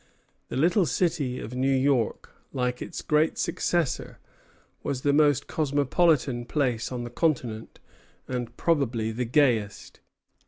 The little city of New York, like its great successor, was the most cosmopolitan place on the continent, and probably the gayest.